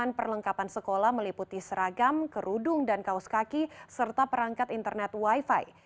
dengan perlengkapan sekolah meliputi seragam kerudung dan kaos kaki serta perangkat internet wifi